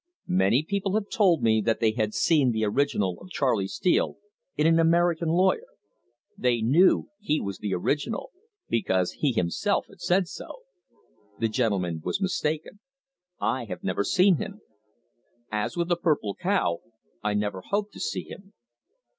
Many people have told me that they had seen the original of Charley Steele in an American lawyer. They knew he was the original, because he himself had said so. The gentleman was mistaken; I have never seen him. As with the purple cow, I never hope to see him.